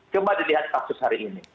coba dilihat kasus hari ini